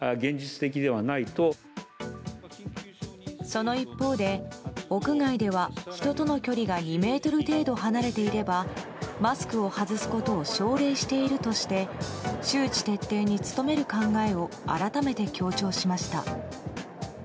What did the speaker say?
その一方で、屋外では人との距離が２ｍ程度離れていればマスクを外すことを奨励しているとして周知徹底に努める考えを改めて強調しました；